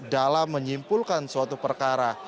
dalam menyimpulkan suatu perkara